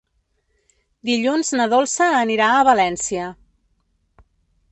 Dilluns na Dolça anirà a València.